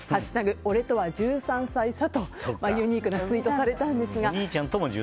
俺とは１３歳差」とユニークなツイートをされました。